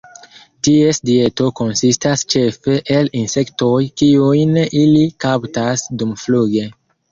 Ties dieto konsistas ĉefe el insektoj kiujn ili kaptas dumfluge.